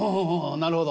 なるほど。